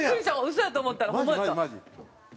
嘘やと思ったらホンマやった！